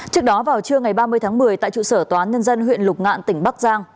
trước đó vào trưa ngày ba mươi tháng một mươi tại trụ sở tòa án nhân dân huyện lục ngạn tỉnh bắc giang